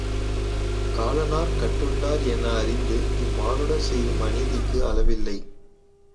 காலனார் கட்டுண் டார் என அறிந்து இம்மானுடர் செய்யும் அநீதிக்கு அளவில்லை.